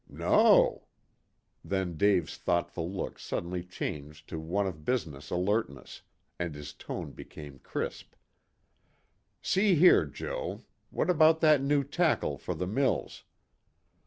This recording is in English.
"No." Then Dave's thoughtful look suddenly changed to one of business alertness, and his tone became crisp. "See here, Joe, what about that new tackle for the mills?